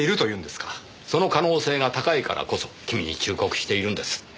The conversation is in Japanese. その可能性が高いからこそ君に忠告しているんです。